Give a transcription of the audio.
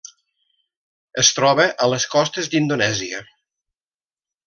Es troba a les costes d'Indonèsia.